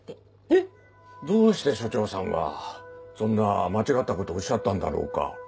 えっ⁉どうして署長さんはそんな間違ったことをおっしゃったんだろうか？